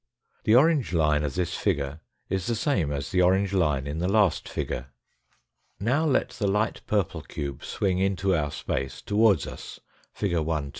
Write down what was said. The orange line of this figure is the same as the orange line in the last figure. Now let the light purple cube swing into our space, towards us, fig. 121.'